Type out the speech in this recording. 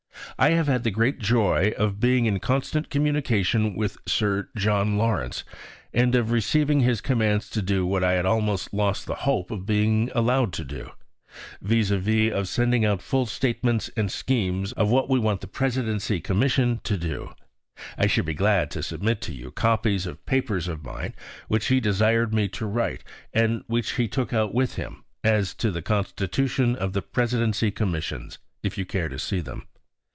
I have had the great joy of being in constant communication with Sir John Lawrence, and of receiving his commands to do what I had almost lost the hope of being allowed to do viz. of sending out full statements and schemes of what we want the Presidency Commissions to do. I should be glad to submit to you copies of papers of mine which he desired me to write and which he took out with him, as to the constitution of the Presidency Commissions, if you care to see them.